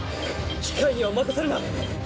機械には任せるな。